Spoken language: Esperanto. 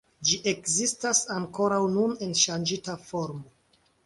Ĝi ekzistas ankoraŭ nun en ŝanĝita formo.